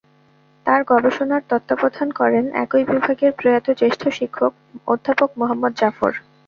তাঁর গবেষণার তত্ত্বাবধান করেন একই বিভাগের প্রয়াত জ্যেষ্ঠ শিক্ষক অধ্যাপক মোহাম্মদ জাফর।